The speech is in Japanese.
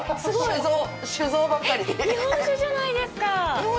えっ日本酒じゃないですか！